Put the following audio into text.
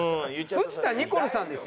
藤田ニコルさんですよ？